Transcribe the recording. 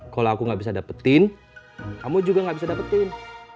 kalau aku gak bisa dapetin kamu juga nggak bisa dapetin